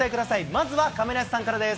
まずは亀梨さんからです。